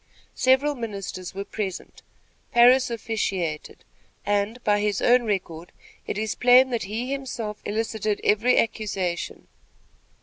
Several ministers were present. Parris officiated, and, by his own record, it is plain that he himself elicited every accusation.